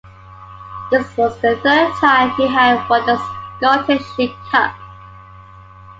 This was the third time he had won the Scottish League Cup.